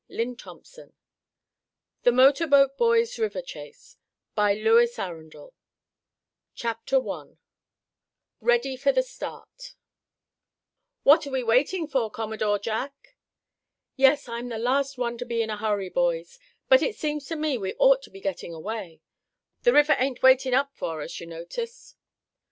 CONCLUSION 237 The Motor Boat Boys' River Chase or Six Chums Afloat and Ashore By Louis Arundel CHAPTER I READY FOR THE START "What are we waiting for, Commodore Jack?" "Yes, I'm the last one to be in a hurry, boys, but it seems to me we ought to be getting away. The river ain't waiting up for us, you notice."